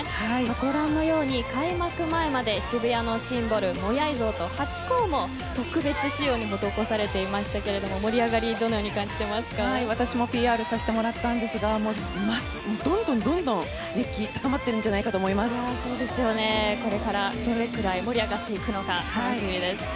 ご覧のように開幕前まで渋谷のシンボルモヤイ像とハチ公も特別仕様が施されていましたけども盛り上がり私もＰＲさせてもらったんですがどんどん熱気が高まっているんじゃないかとこれから、どれくらい盛り上がっていくのか楽しみです。